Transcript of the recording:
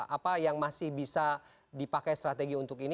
apa yang masih bisa dipakai strategi untuk ini